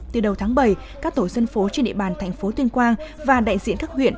từ đầu tháng bảy các tổ dân phố trên địa bàn thành phố tuyên quang và đại diện các huyện